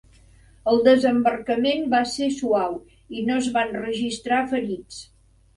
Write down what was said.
El desembarcament va ser suau i no es van registrar ferits.